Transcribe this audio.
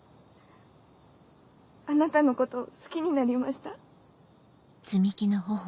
あなたのことを好きになりました。